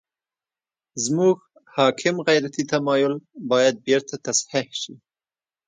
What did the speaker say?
زموږ حاکم غیرتي تمایل باید بېرته تصحیح شي.